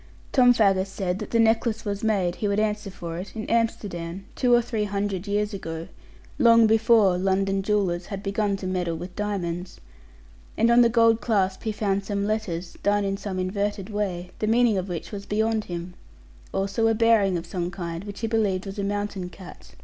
Tom Faggus said that the necklace was made, he would answer for it, in Amsterdam, two or three hundred years ago, long before London jewellers had begun to meddle with diamonds; and on the gold clasp he found some letters, done in some inverted way, the meaning of which was beyond him; also a bearing of some kind, which he believed was a mountain cat.